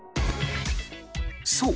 そう。